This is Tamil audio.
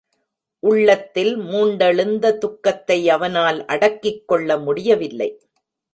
உள்ளத்தில் மூண்டெழுந்த துக்கத்தை அவனால் அடக்கிக் கொள்ள முடியவில்லை.